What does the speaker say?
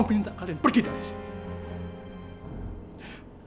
aku minta kalian pergi dari sini